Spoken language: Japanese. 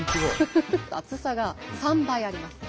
厚さが３倍あります。